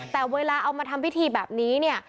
แต่เวลาเอามาทำพิธีแบบนี้เนี่ย